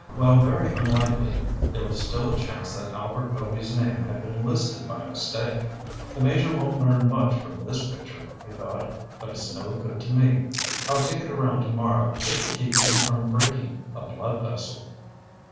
While very unlikely, there was still a chance that Albert Povy's name had been listed by mistake. "The Major won't learn much from this picture," he thought. "But it's no good to me. I'll take it around tomorrow just to keep him from breaking a blood vessel."